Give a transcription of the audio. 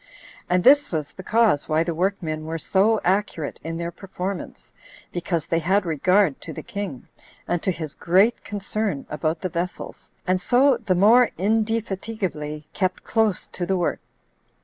And this was the cause why the workmen were so accurate in their performance, because they had regard to the king, and to his great concern about the vessels, and so the more indefatigably kept close to the work.